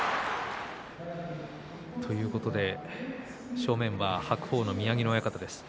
正面は白鵬の宮城野親方です。